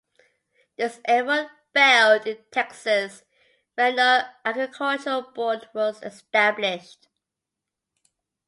This effort failed in Texas where no Agricultural Board was established.